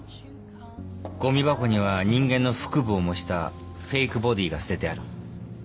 ゴミ箱には人間の腹部を模したフェイクボディーが捨ててある。